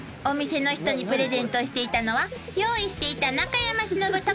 ［お店の人にプレゼントしていたのは用意していた］